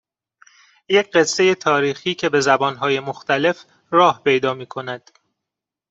یک قصه تاریخی که به زبانهای مختلف راه پیدا میکند